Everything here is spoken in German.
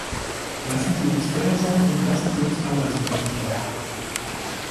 Lassen Sie uns fair sein und lassen Sie uns Arbeitsplätze schaffen.